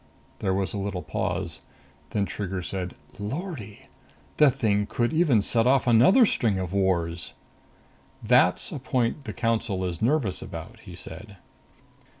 There was a little pause. Then Trigger said, "Lordy! The thing could even set off another string of wars " "That's a point the Council is nervous about," he said.